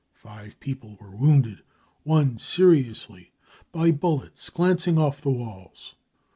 Five people were wounded, one seriously, by bullets glancing off the walls.